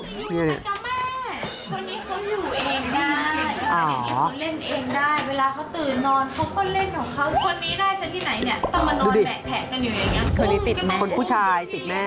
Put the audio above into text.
คนนี้ติดคือคนผู้ชายติดแม่